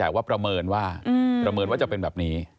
แต่ว่าประเมินว่าประเมินว่าจะเป็นแบบนี้